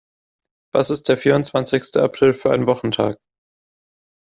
Was ist der vierundzwanzigste April für ein Wochentag?